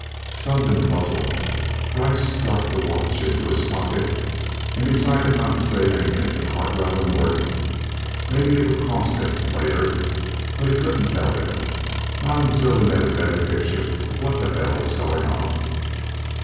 Stunned and puzzled, Brice dropped the watch into his pocket and decided not to say anything to Cartwell and Morgan. Maybe it would cost him, later, but he couldn't tell them not until he had a better picture of what the hell was going on.